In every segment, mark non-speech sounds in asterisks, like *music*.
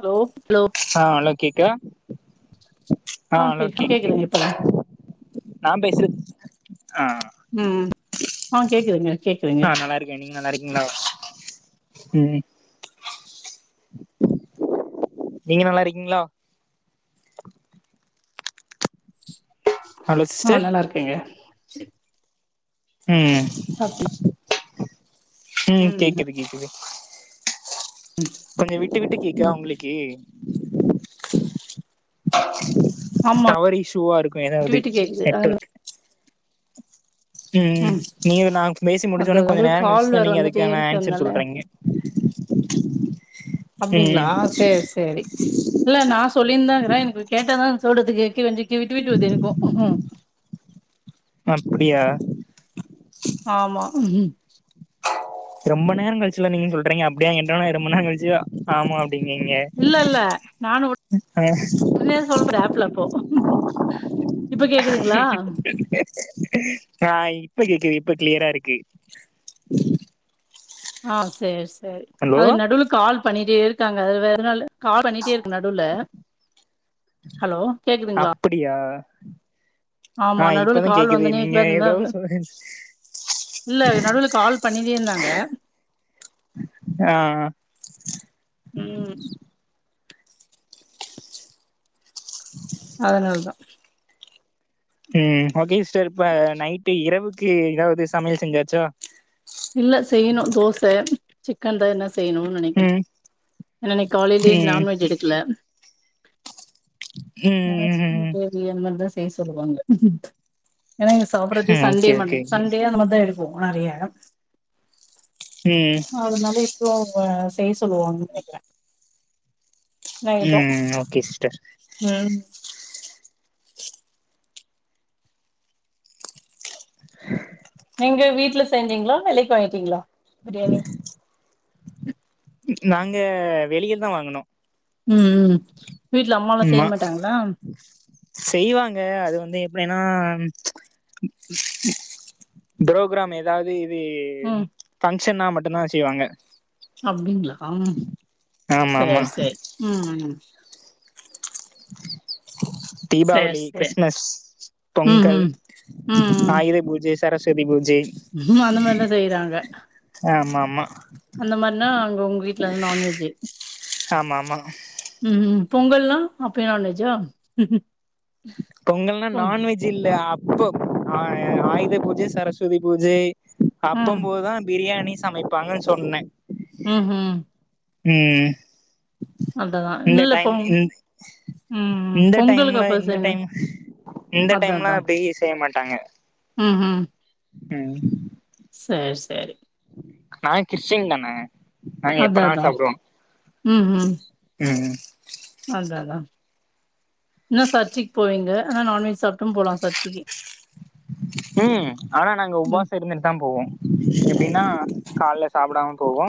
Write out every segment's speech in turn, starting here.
Hello ஆ hello கேக்குதா ஆ கேக்குது கேக்குதுங்க இப்பதா நா பேசுறது ஆ ம் ஆ கேக்குதுங்க கேக்குதுங்க ஓகே நீங்க நல்லாருக்கீங்களா ம் நீங்க நல்லாருக்கீங்களா ஹலோ ஆ சிஸ்டர் நல்லாருக்கேங்க ம் ம் கேக்குது கேக்குது ம் கொஞ்சோ விட்டு விட்டு கேக்குதா ம் உங்களுக்கு ஆமா டவர் இஷ்யுவா இருக்கு விட்டு எதாவது விட்டு கேக்குது நெட் அது ஒர்க் *inaudible* ம் நீயு நா பேசி அது முடுச்சோனே கொஞ்ச அது நேரொ கால் கழிச்சுதா வேற நீங்க வந்துட்டே அதுக்கான ஆன்சர் இருக்கறனால சொல்றங்க அப்டிங்களா ம் சேர் சேரி இல்ல நா சொல்லிந்தாருக்குறே எனக்கு கேட்டா தான சொல்றதுக்கு இங்கு வஞ்சி இங்க விட்டு விட்டு வருது எனக்கு அப்புடியா ஆமா ரொம்ப நேரோ கழுச்சுல நீங்க சொல்றீங்க அப்டியான் கேட்டோனே ரொம்ப நேரோ கழுச்சு தா ஆமா அப்டீங்கீங்க இல்ல இல்ல நானு உடனே சொல்றே ஆப்ல இப்போ ஆ இப்ப கேக்குது இப்ப கிளியரா இருக்கு ஆ சேர் சேர் ஹலோ அது நடுல கால் பண்ணிட்டே இருக்காங்க அது வேரனால கால் பண்ணிட்டே இருக்கு நடுல ஹலோ கேக்குதுங்களா அப்டியா ஆமா ஆ நடுவுல இப்பதா கால் கேக்குது வந்துனே நீங்க இருந்தா எதோ சொல்லுங்க இல்ல நடுல கால் பண்ணிட்டே இருந்தாங்க ஆ ஆ ம் ம் அதுனால தா ம் ஓகே சிஸ்டர் இப்ப நைட்டு இரவுக்கு எதாவது சமையல் செஞ்சாச்சா இல்ல செய்யணு தோச சிக்கன் தா எதுனா செய்ணு நெனைக்றே ம் நா இன்னைக் காலேலயே ம் நான்வெஜ் எடுக்கல ம் ஏதாச்சு கிரேவி அந்த மாரிதா செய்ய சொல்லுவாங்க ஏனா இங்க சாப்பறகே ம் சண்டே ஓகே மன் ஓகே ஓகே சண்டே அந்த மாரி தா எடுப்போ நெறைய ம் அதுனால இப்போ செய்ய சொல்லுவாங்கன் நெனைக்கிறே நைட்டு ம் ஓகே சிஸ்டர் ம் *inaudible* நீங்க வீட்ல செஞ்சீங்களா வெலைக்கு வாங்கிட்டீங்களா பிரியாணி நாங்க வெளிய தா வாங்குனோ ம் ம் வீட்ல அம்மாலா செய்ய ஆமா மாட்டாங்களா செய்வாங்க அது வந்து எப்டின்னா ப்ரோ க்ராம் ஏதாவது இது ம் ஃபங்க்ஷனா மட்டு தா செய்வாங்க அப்டிங்ளா ஆமா ஆமா சேரி சேரி ம் ம் *inaudible* சேரி தீபாவளி சேரி கிறிஸ்மஸ் ம் பொங்கல் ம் ம் ஆயுத பூஜ சரஸ்வதி பூஜை அந்த மாரி தா செய்றாங்க ஆமா ஆமா அந்த மாரினா அங்க உங்க வீட்டுல நான்வெஜ்ஜு ஆமா ஆமா ம் ம் பொங்கல் நா அப்பயு நான் வெஜ்ஜா பொங்கல்னா நான்வெஜ் இல்ல அப்போ ஆ ஆயுத பூஜ சரஸ்வதி பூஜை அப்ப ம் போதுதா பிரியாணி சமைப்பாங்க சொன்னே ம் ஹூம் ம் அததா இந்த இல்ல டைம் பொங் இந் ம் ம் இந்த பொங்கலுக்கு டைம்ல அப்ப இந்த செய்யணு டைம் இந்த அதா டைம்லா அதா அப்டி செய்ய மாட்டாங்க ம் ஹும் ம் சரி சரி நா கிறிஸ்டின் தானே நாங்க அதா எப்ப நாலு அதா சாப்டுவோ ம் ம் அத அதா என்ன சர்ச்சுக்கு போவீங்க ஆனா நான்வெஜ் சாப்ட்டு போலா சர்ச்சிக்கு ம் ஆனா நாங்க ம் உபாச இருந்துட்டு தா போவோ எப்டின்னா கால்ல சாப்புடாம போவோ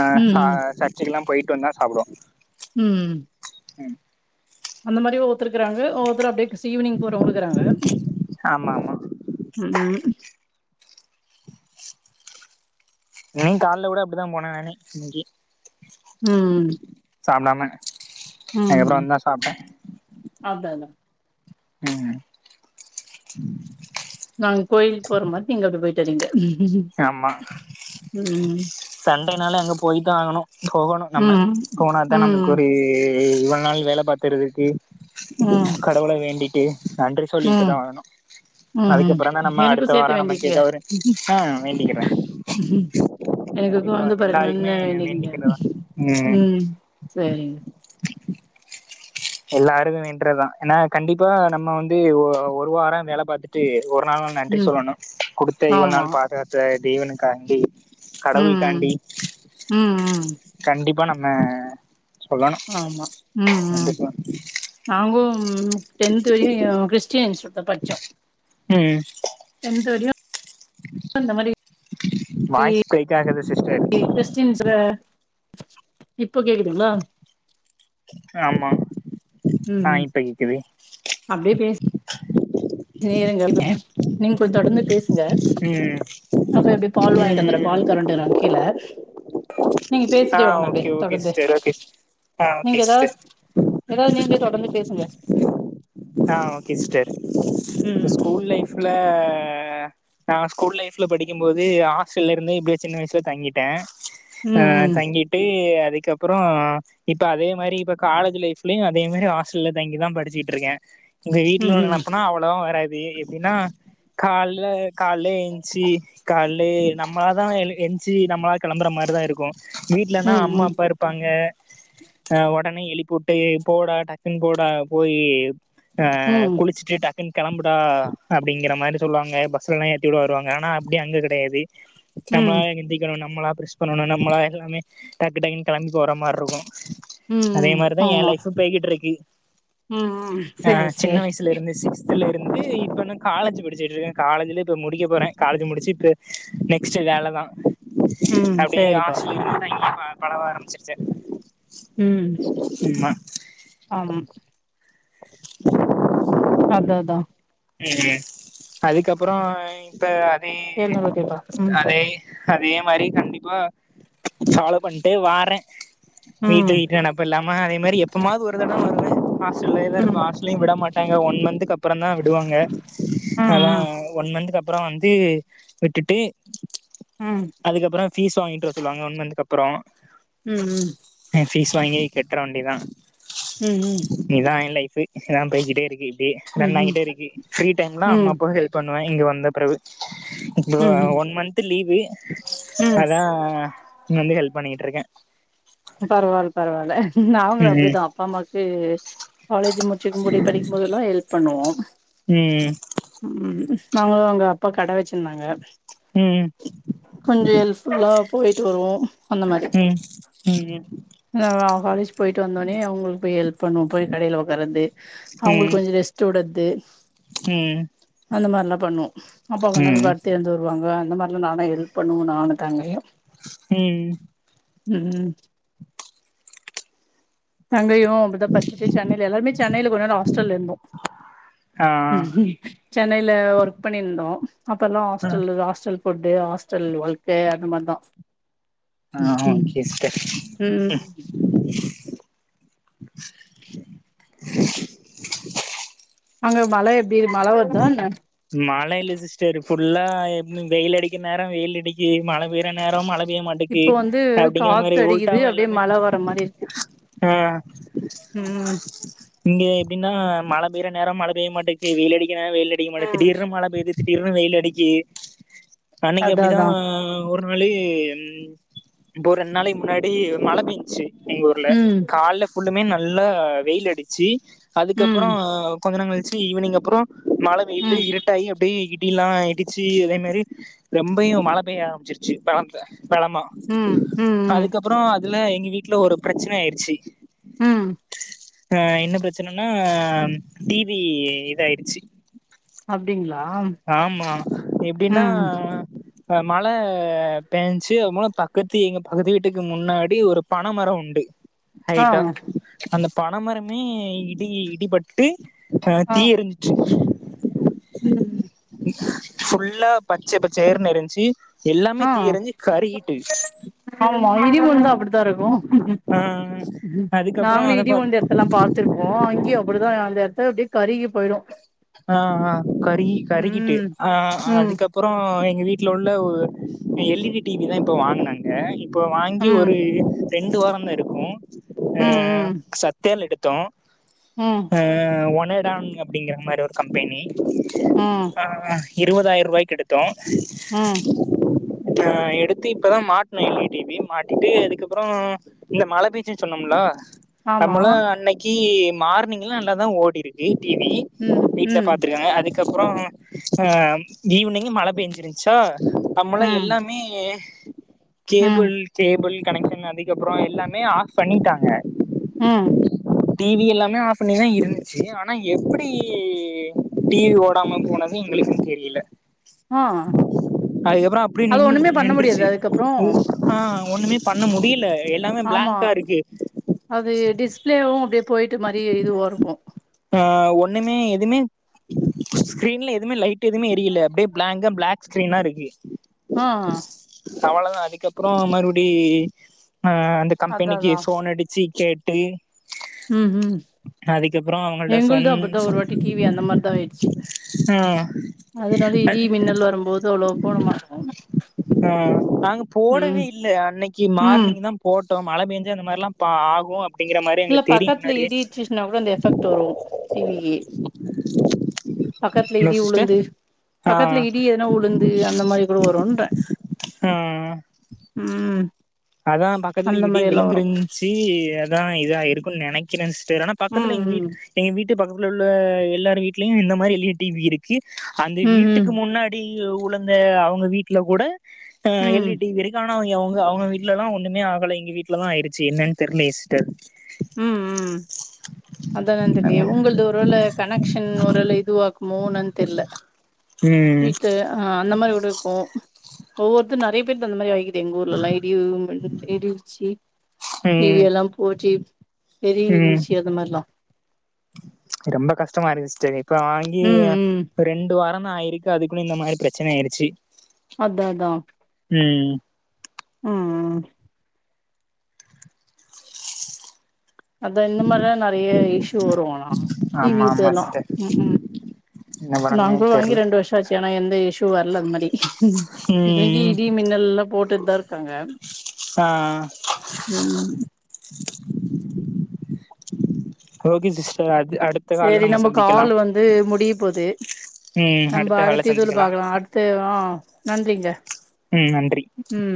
ஆ ம் ச ம் சர் ச்சுக்கல்லா போயிட்டு வந்தா சாப்டுவோ ம் ம் அந்த மாரி ஒவ்வத்தருக்குறாங்க ஒவ்வொத்துரு அப்டியே ஈவினிங் போறவங்களு இக்குறாங்க ஆமா ஆமா ம் ம் நீ கால்ல கூட அப்டிதா போன நானு இன்னிக்கு ம் சாப்டாம அதுக்கப்புறோ ம் வந்து தா சாப்ட்டே அதா அதா ம் நாங்க கோயிலுக்கு போற மாரி நீங்க அப்டி போயிட்டு வரீங்க ஆமா ம், சண்டேனாலே அங்க போய்தா ஆகணு போகணு நம்ம ம், போனாதா நமக்கு ம், ஒரு இவ்ளோ நாள் வேல பாத்தறதுக்கு ம் எவ்ளோ வேண்டிட்டு நன்றி சொல்லிக்கிட்டே தா ம், ஆகனு ம். அதுக்கப்பறோ தா நம்ம எனக்கும் அடுத்த வாரோ சேத்து நமக்கு வேண்டிக்கங்க. ஏதோ ஒரு ஆ வேண்டிக்குறே எனக்கு கொழந்த எல்லாருக்குமே பொறக்கணுனு வேண்டிகங்க வேண்டிக்கிறதா ம் சரிங்க எல்லாருமே வேண்றதா ஏன்னா கண்டிப்பா நம்ம வந்து ஒ ஒரு வாரோ வேல பாத்துட்டு ஒரு நா நன்றி ம். சொல்லணும் குடுத்த இவ்ளோ ஆமா. நாள் பாதுகாத்த தேவனுக்காண்டி கடவுளுக்காண்டி ம், ம் ம் கண்டிப்பா நம்ம சொல்லணு ஆமா ம் ம் கண்டிப்பா நாங்களும் டென்த் வரையும் கிறிஸ்டியன் இன்ஸ்யூட்ல படிச்சோம் ம் டென்த் வரையும் அந்த மாரி வாய்ஸ் பிரேக் ஆகுது சிஸ்டர் ஏ கிறிஸ்டின்ஸ்ல இப்போ கேக்குதுங்களா ஆமா ஆ ம். இப்ப கேக்குது அப்டியே பேசு நேரம் கம்மி நீங்க கொஞ்சம் தொடர்ந்து பேசுங்க ம் நான் போய் அப்டியே பால் வாங்கிட்டு வந்துறேன் ம் பால் காரர் வன்டாரு கீழ நீங்க ஆ பேசிட்டே வாங்க அப்டியே ஓகே ஓகே தொடர்ந்து சிஸ்டர் ஓகே ஆ நீங்க ஓகே ஏதாவது சிஸ்டர் ஏதாவது நீங்க தொடர்ந்து பேசுங்க ஆ ஓகே சிஸ்டர் உங்க ம் ஸ்கூல் லைப்ல நான் ஸ்கூல் லைப்ல படிக்கும் போது ஹாஸ்டல்ல இருந்து இப்டியே சின்ன வயசுல தங்கிட்டேன் ஆ ம் தங்கிட்டு அதுக்கப்பறோ இப்ப அதே மேரி இப்ப காலேஜ் லைப்லயும் அதே மேரி ஹாஸ்டல்ல தங்கிதான் படிச்சிட்டு இருக்கேன் உங்க ம் வீட்ல உள்ள ம் நனப்புனா அவ்ளோவா வராது எப்டின்னா கால்ல காலைல ஏன்ச்சி கால்லே நம்மளா தான் ஏன்ச்சி நம்மளா கெளம்பற மாரிதான் இருக்கும் ம் வீட்லனா அம்மா ம் அப்பா இருப் பாங்க அ உடனே எழிப்பிவுட்டு போடா டக்குன்னு போடா போய் அ ம் ம் குளிச்சுட்டு டக்குன்னு கெளம்புடா அப்டிங்கற மாரி சொல்லுவாங்க ப சில நேரம் ஏத்தி விட வருவாங்க ஆனா அப்டி அங்க கெடயாது நம்பள ம் எந்திக்கணும் நம்மள ப்ரெஷ் பண்ணணும் நம் மளா எல்லாமே டக்கு டக்குன்னு கெளம்பி போற மாரி இருக்கும் அதே ம் மாரிதான் என் ஆமா லைப்பும் போய்கிட்டு இருக்கு ம் ம் ஆ சேரி சின்ன சேரி வயசுல இருந்து சிக்ஸ் த்ல இருந்து இப்ப என்ன காலேஜ் படிச்சுட்டு இருக்கேன் காலேஜ்லே இப்ப முடிக்க போறேன் காலேஜ் முடிச்சு தே நெக்ஸ்ட் வேலதான் ம் அப்டியே சேரிப்பா ஹாஸ்டல் இங்கயே பழவ ஆரம்பிச்சிருச்ச உம் ஆமா அத்அதான் ம் அதுக்கப்பறோ இப்போ அதே எழுநூறுவாய்க்கேவா ம் அதே அதே மாதிரி கண்டிப்பா ஃபால்லோ பண்ணிட்டு வறேன் வீட்டு ம் வீட்டு நப் இல்லாம அ அதே மாதிரி எப்பமாது ஒரு தடவ வருவ ஹாஸ்ட்டல்லே தான் இருப்ப ம் ஹாஸ்ட்டல்லயும் விட மாட்டாங்க ஒன் மந்த்துக்கு அப்பறம் தான் வி விடுவாங்க அதா ம் ஒன் மந்த்த அப்பறம் வந்து விட்டுட்டு ம் அதுக்கப்பறம் பீஸ் வாங்கிட்டு வர சொல்லுவாங்க ஒன் மந்தக்கு அப்பறோ ம் ம் என் ஃபீஸ் வாங்கி கட்டுற வேண்டிதான் ம் ம் இதான் என் லைஃப் இதான் போயிட்டே இருக்கு இப்டியே ம் ம் ரன்ஆகிட்டே இருக்குது ஃப்ரீ டைம்லாம் அம்மா அப்பா வந்து இது பண்ணுவேன் இங்க வந்த பிறகு இப்போ ம் ம் ஒன் மந்த் லீவு ம் அதான் வந்து ஹெல்ப் பண்ணிக்கிட்டு இருக்கேன் பரவால்ல பரவால்ல நாங்களு ம் அப்டிதா அப்பா அம்மாக்கு காலேஜ் முச்சிக்கும்புடி படிக்கும்போதெல்லா ஹெல்ப் பண்ணுவோ ம் ம் நாங்களும் அங்க அப்பா கட வேச்சிருந்தாங்க ம் கொஞ்ச ஹெல்ப்ஃபுல்லா போயிட்டு வருவோ அந்த மாரி ம் ம் ம் நாஙாக காலேஜ் போயிட்டு வந்தோட்னே அவுங்களுக்கு போய் ஹெல்ப் பண்ணுவோம் போய் கடையில ஒக்கர்றது அவுங்களுக்கு ம் கொஞ்சோ ரெஸ்ட் ஸ்ட் உட்றத்து ம் அந்த மாரில்லா பண்ணுவோ அப்பா கொஞ்ச நோரோ ம் படுத்தெழுந்து வரூ வாங்க அந்த மாரிலா நானு ஹெல்ப் பண்ணுவோ நானு தாங்கையு ம் ம் ம் தங்கையு அப்டிதா பட்சிட்டு சென்னையில எல்லாருமே சென்னைல கொஞ்ச நாள் ஹாஸ்டல்ல இருந்தோ ஆ சென்னையில ஒர்க் பண்ணிருந்தோ அப்பல்லா ஆ ஹாஸ்டலு ஹாஸ்டல் ஃபுட்டு ஹாஸ்டல் வாழ்க்க அது மாரிதா ஆ ஓகே சிஸ்டர் ம் அங்க மழ எப்டி மழ வருதா என்ன மழ இல்ல சிஸ்டர் ஃபுல்லா வெயில் அடிக்கிற நேரோ வெயில் அடிக்கி மழ பெய்ற நேரோ மழ பெய்ய மாட் க்கி இப்போ வந்து அப்டிங்கிற மாரி காத்து அடிக்குது உட்டாவா அப்டியே எல்லாமே மழ வர மாரி இருக்கு ஆ ம் இங்க எப்டின்னா மழ பெய்யற நேரோ மழ பெய்ய மாட்டேகி வெயிலடிக் வெயில் அடிக்க திடீர்னு மழ பெய்து திடீர்னு வெயில் அடிக்கி அன்னைக்கு அதா அப்டிதா அதா ஒரு நாளு ம் இப்போ ஒரு ரெண்டு நாளைக்கு முன்னாடி மழ பெய்ஞ்சி எங்க ஊர்ல ம் காலைல ஃபுல்லுமே நல்லா வெயில் அடிச்சி அதுக்கப்புறோ ம் கொஞ்ச நோரோ கழிச்சு ஈவ்னிங் அப்புறோ மழ பெயிட்டு ம் இருட் ட்டாயி அப்டியே இடிலா இடிச்சி அதே மாரி ரொம்பையு மழ பெய்ய ஆரம்பிச்சிருச்சி பலந்த பலமா ம் ம் அதுக்கப்றோ அதுல எங்க வீட்ல ஒரு பிரச்சனை ஆயிடுச்சு ம் ஆ என்ன பிரச்சன இன்னா டி வி இதயிடுச்சி அப்டிங்ளா ஆமா எப்டின்னா மழ பேஞ்சி அது மூலம் பக்கத்து எங்க பக்கத்து வீட்டுக்கு முன்னாடி ஒரு பனமரம் உண்டு ஆ ஹைட்டா அந்த பனமரமே இடி இடிபட்டு ஆ தீ எரிஞ்சுட்டு ம் ஃபுல்லாப் பச்ச பச்சேர்னு இருந்ஞ்சி எல்லாமே ஆ தீயெரிஞ்சு கருகிட்டு ஆமா இடி உழுந்த அப்டித்தா இருக்கு ஆ அதுக்கப்புறோ நாங்களே அத இடி பாத் உழுந்த எடத்தெல்லா பாத் த்திருக்கோ அங்கியு அப்டிதா அந்த எடத்த அப்டியே கருகி போயிடு ஆ ஆ ஆ கரி ம் கரிகிட்டு ஆ ஆ ம் அதுக்கப் அப்பறோ எங்க வீட்ல உள்ள ஒரு L E D T V தா இப்போ வாங்னாங் ஆ இப்போ வாங்கி ம் ஒரு ரெண்டு வாரம் தா இருக்கும் ம் ம் சத்யால அ எடுத் தோம் ம் ஆ ஒனேடான் அப்டிங்கற மாரி ஒரு கம்பனி அ ஆ இருவதாயிரூபாய்க்கு எடுத்தோம் ம் ஆ எடுத்து இப்பதா மாட்னே எல் இ டி வி மாட்டிட்டு அதுக்கப்றம் இல்ல மழ பேன்ச்ன்னு சொன்னேம்ல ஆமா நமலு அன்னைக்கு மார்னிங்லா நல்லா தா ஓடிருக்கு டிவி ம் வீட்ல ம் பாத்ருக்காங்க அதுக்கப்றம் அ ஈவினிங் மழ பேஞ்சிருச்ச சா நம்மல்லா ம் எல்லாமே ம் கேபிள் கேபிள் கனெக்ஷன் அதுக்கப்றம் எல்லாமே ஆஃப் பண்ணிட்டாங்க ம் டிவி எல்லாமே ஆஃப் பண்ணிதா இருந்துச்சு ஆனா எப்டி டிவி ஓடாம போனதுனு எங்களுக்கும் தெரில ஆ அதுக்கப்றம் அப்டியே அது நின்று ஒண்ணுமே பண்ண முடியாது நின்றுச்சு அதுக்கப்புறோ ஆ ஒண்ணுமே பண்ண முடில எல்லாமே ஆமா பிளாங்க்கா இருக்கு அது டிஸ்பிளேவும் அப்டியே போயிட்டு மாரி இதுவரும் ஆ ஒண்ணுமே எதுமே ஸ்க்ரீன்ல எதுவுமே லைட் எதுவுமே எரியல அப்டியே பிளாங்க பிளாக் ஸ்கிரீனா இருக்கு ஆ அவ்ள தா அதுக்கப்றம் மறுபடி அ அந்த அதா கம்பெனிக்கு அதா ஃபோன் அடிச்சு கேட் டு ம் ம் அவங்கள்ட எங்கள்து சொன் அப்டித்தா ஒரு வாட்டி டிவி அந்த மாரிதா ஆயிருச்சு ஆ அதனால இடி மின்னல் வரும்போது அவ்ளவு போடமாட்ட ஆ நாங்க போடவே இல்லை அன்னைக்கு ம் மார்னிங் தா போட்டோ மழ பேயஞ்ச அந்த மார்ல்லாம் பா ஆகும் அப்டிங்கற மாரி எங்களுக்கு தெரியும் முன்னாடியே னா கூட அந்த எஃபெக்ட் வரும் டிவிக்கு பக்கத்துல ஹலோ இடி சிஸ்டர் உளுந்து ஆ பக்கத்துல இடி எதனா உழுந்து அந்த மாரி கூட வருன்றன் ம் ம் அதா பக்கத்துல அந்த இடி மாரி எல்லா வரு விழுந்திருச்சு அதா இதா இருக்குன்னு நனைக்றே சிஸ்டர் பக்கத்துல ம் எங்க வீட எங்க வீட்டு பக்கத்துல உள்ள எல்லார் வீட்லயும் இந்த மாரி எல் இ டிவி இருக்கு அந்த ம் ம் வீட்டுக்கு முன்னாடி உழுந்த அவங்க வீட்டுல கூட அ ம் எல் ம் இ டிவி இருக்க ஆன அவங்க அவங்க வீட்ல எல்லாம் ஒண்ணமே ஆகலை எங்க வீட்லதா ஆயிருச்சு என்னன்ன தெரில சிஸ்ட்டர் ம் ம் அதா என்னனு தெரிலயே உங்களுக்கு அது ஒருவேள கனெக்ஷன் ஒருவேள இதுவாக்குமோன்னு தெரில ம் வீட்டு அந்த மாரி கூட இருக்கு ஒவ்வொருத்தரும் நறைய பேத்க்கு அந்த மாரி ஆக எங்கூர்ல எல்லாம் இடி மின் இடி இடிச்சி டிவி ம் எல்லாம் போச்சு பெரிய ம் ஷி அந்த மாரில்லாம் ரொம்ப கஷ்டமா இருந்துச்சு இப்ப வாங்கி ம் ம் ரெண்டு வாரன்தா ஆயிருக்கு அதுக்குள்ள இந்த மாரி பிரச்சன ஆயிருச்சு அதா அதா ம் ம் ம் அதா இந்த மாதிரிலாம் நெறைய இஷ்யூ வரும் டிவி ஆமா ஆமா இதெல்லாம் சிஸ்டர் உம் உம் என்ன பண்ணனே நாங்களும் தெர்ல வாங்கி ரெண்டு வருஷம் ச்சு ஆனா எந்த இஷ்யூ வரல அந்த மாதிரி இத்தனைக்கு ம் இடி மின்னல் எல்லாம் போட்டுட்டுதான் இருக்காங்க ஆ உம் ஓகே சிஸ்டர் அது அடு சேரி நம்ம கால் வந்து முடிய போது ம் நம்ம கால்ல அடுத்த இதுல சந்திக்கலாம் பாக்கலாம் அ த்து ஆ நன்றிங்க ம் நன்றி ம்